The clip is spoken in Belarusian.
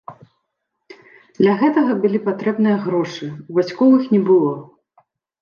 Для гэтага былі патрэбныя грошы, у бацькоў іх не было.